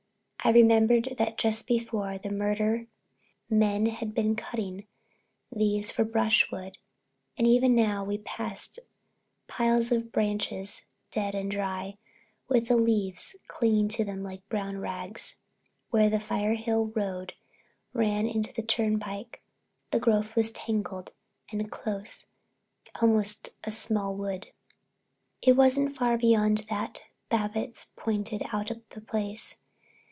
I remembered that just before the murder men had been cutting these for brushwood and even now we passed piles of branches, dry and dead, with little leaves clinging to them like brown rags. Where the Firehill Road ran into the turnpike the growth was tangled and close, almost a small wood. It wasn't far beyond that Babbitts pointed out the place.